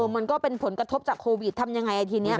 มันก็เป็นผลกระทบจากโควิดทำยังไงทีนี้